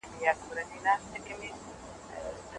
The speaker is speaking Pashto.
د خامې مسویدې کتل شاګرد ته ډېره ګټه رسوي.